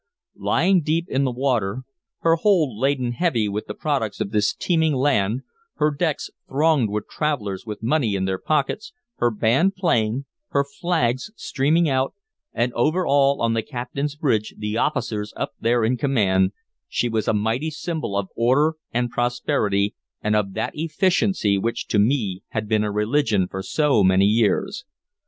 Lying deep in the water, her hold laden heavy with the products of this teeming land, her decks thronged with travelers with money in their pockets, her band playing, her flags streaming out, and over all on the captain's bridge the officers up there in command she was a mighty symbol of order and prosperity and of that Efficiency which to me had been a religion for so many years.